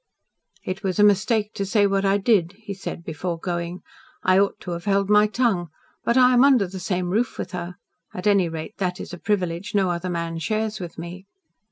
"It was a mistake to say what I did," he said before going. "I ought to have held my tongue. But I am under the same roof with her. At any rate, that is a privilege no other man shares with me."